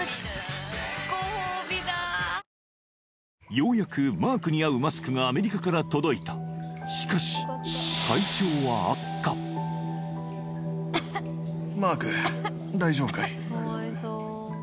ようやくマークに合うマスクがアメリカから届いたしかしマーク大丈夫かい？